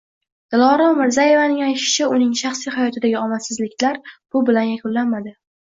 Dilorom Mirzayevaning aytishicha, uning shaxsiy hayotidagi omadsizliklar bu bilan yakunlanmadi